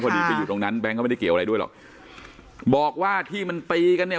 พอดีไปอยู่ตรงนั้นแก๊งเขาไม่ได้เกี่ยวอะไรด้วยหรอกบอกว่าที่มันตีกันเนี่ย